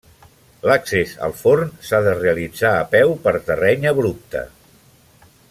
L'accés al forn s'ha de realitzar a peu per terreny abrupte.